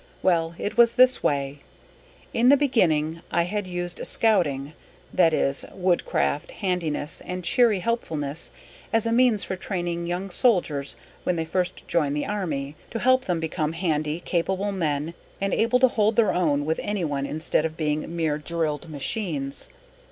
Well, it was this way. In the beginning I had used Scouting that is, wood craft, handiness, and cheery helpfulness as a means for training young soldiers when they first joined the army, to help them become handy, capable men and able to hold their own with anyone instead of being mere drilled machines.